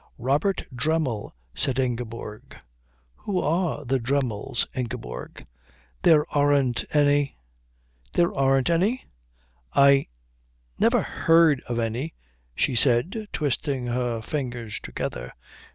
"Robert Dremmel," said Ingeborg. "Who are the Dremmels, Ingeborg?" "There aren't any." "There aren't any?" "I never heard of any," she said, twisting her fingers together.